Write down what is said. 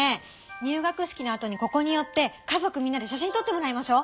入学式のあとにここに寄って家族みんなで写真とってもらいましょう。